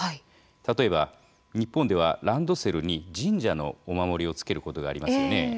例えば日本ではランドセルに神社のお守りをつけることがありますよね。